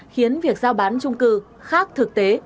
khiến việc giao bán trung cư khác thực tế